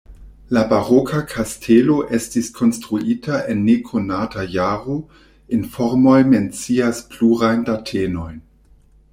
La baroka kastelo estis konstruita en nekonata jaro, informoj mencias plurajn datenojn.